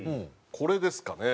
これですかね。